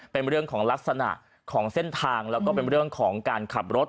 เป็นเรื่องของลักษณะของเส้นทางแล้วก็เป็นเรื่องของการขับรถ